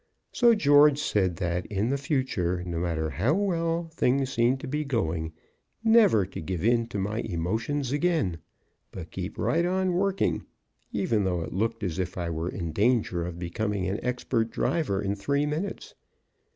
So George said that, in the future, no matter how well things seemed to be going, never to give in to my emotions again, but keep right on working, even though it looked as if I were in danger of becoming an expert driver in three minutes.